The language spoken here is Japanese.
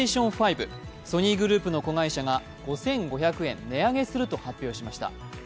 ソニーグループの子会社が５５００円値上げすると発表しました。